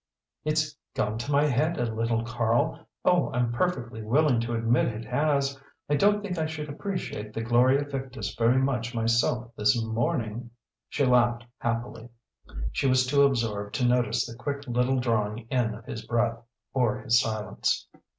"It's gone to my head a little, Karl! Oh I'm perfectly willing to admit it has. I don't think I should appreciate the Gloria Victis very much myself this morning," she laughed, happily. She was too absorbed to notice the quick little drawing in of his breath, or his silence.